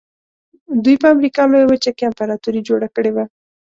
دوی په امریکا لویه وچه کې امپراتوري جوړه کړې وه.